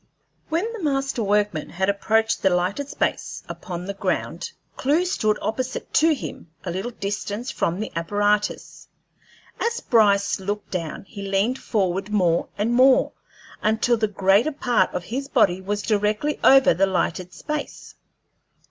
When the master workman had approached the lighted space upon the ground, Clewe stood opposite to him, a little distance from the apparatus. As Bryce looked down, he leaned forward more and more, until the greater part of his body was directly over the lighted space.